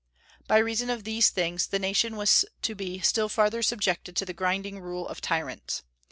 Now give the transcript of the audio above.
By reason of these things the nation was to be still farther subjected to the grinding rule of tyrants.